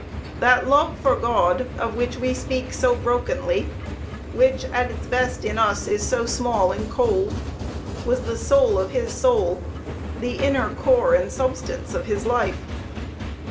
That love for God, of which we speak so brokenly, which at its best in us is so small and cold, was the soul of his soul, the inner core and substance of his life.